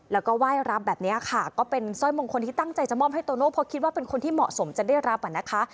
แล้วก็ไหว้รับแบบนี้ค่ะก็เป็นสร้อยมงคลที่ตั้งใจจะมอบให้โตโน่เพราะคิดว่าเป็นคนที่เหมาะสมจะได้รับอ่ะนะคะ